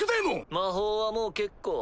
魔法はもう結構。